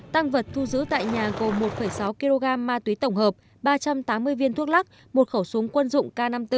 tăng vật thu giữ tại nhà gồm một sáu kg ma túy tổng hợp ba trăm tám mươi viên thuốc lắc một khẩu súng quân dụng k năm mươi bốn